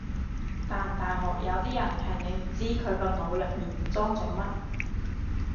但大學有啲人係你唔知佢個腦入面裝咗乜